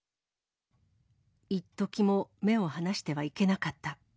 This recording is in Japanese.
一時も目を離してはいけなかった。